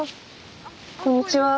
こんにちは。